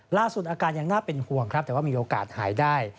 ล่าสุดอาการยังน่าเป็นห่วงครับแต่ว่ามีโอกาสหายได้